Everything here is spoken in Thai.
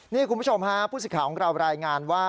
นี่คุณผู้ชมฮะผู้สิทธิ์ของเรารายงานว่า